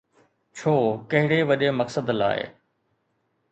ڇو، ڪهڙي وڏي مقصد لاءِ؟